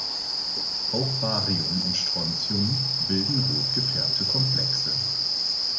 Auch Barium und Strontium bilden rot gefärbte Komplexe.